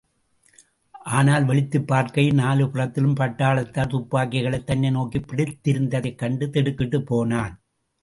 அவன் விழித்துப் பார்க்கையில் நாலு புறத்திலும் பட்டாளத்தார் துப்பாக்கிகளைத் தன்னை நோக்கிப் பிடித்திருந்ததைக் கண்டு திடுக்கிட்டுப் போனான்.